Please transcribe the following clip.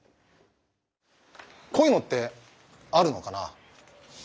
こういうのってあるのかな？